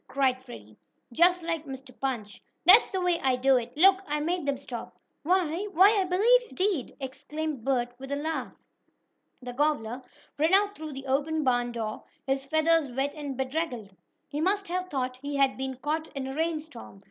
cried Freddie, just like Mr. Punch. "That's the way I do it! Look, I made them stop!" "Why why, I believe you did!" exclaimed Bert, with a laugh. The gobbler ran out through the open barn door, his feathers wet and bedraggled. He must have thought he had been caught in a rainstorm.